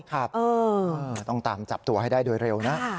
ครับต้องตามจับตัวให้ได้โดยเร็วนะ